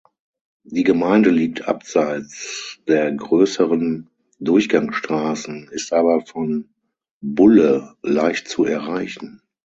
Die Gemeinde liegt abseits der grösseren Durchgangsstrassen, ist aber von Bulle leicht zu erreichen.